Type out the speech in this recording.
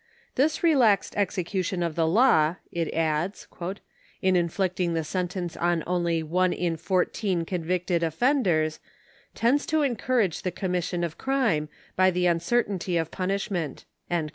«*Thi8 relaxed execution of the law," it adds, " in inflicting the sentence on only one in four teen convicted offenders, tends to encourage the commission of crime, by the uncertainty of punishment."